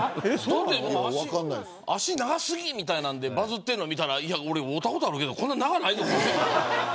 脚、長過ぎみたいなんでバズってるのを見たら俺、会ったことあるけどこんなに長くないぞって。